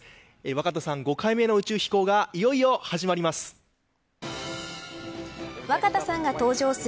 若田さん５回目の宇宙飛行がいよいよ始まります。